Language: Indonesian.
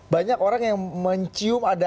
banyak orang yang mencium ada